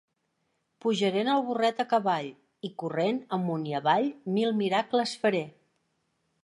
Pujaré en el burret a cavall; i, corrent amunt i avall, mil miracles faré.